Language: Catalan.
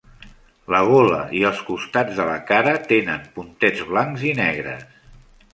La gola i els costats de la cara tenen puntets blancs i negres.